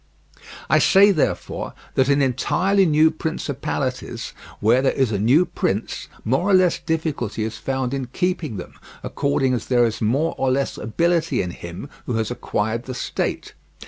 I say, therefore, that in entirely new principalities, where there is a new prince, more or less difficulty is found in keeping them, accordingly as there is more or less ability in him who has acquired the state.